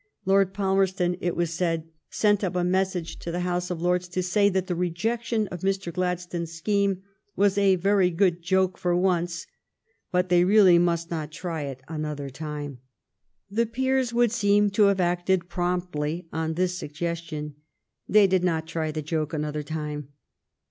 Lord Palmerston, it was said, sent up a message to the House of Lords to say that the rejection of Mr. Gladstone's scheme was a very good joke for once, but they really must not try it another time. The peers would seem to have acted promptly upon this suggestion. They did not try the joke another time.